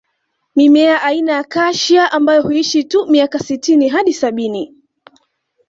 Mimea aina ya Acacia ambayo huishi tu miaka sitini hadi sabini